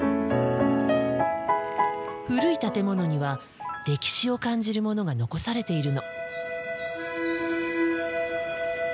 古い建物には歴史を感じるものが残されているの。